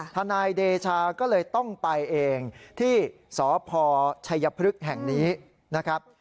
ทนายเดชาก็เลยต้องไปเองที่สพชัยพฤกษ์แห่งนี้นะครับ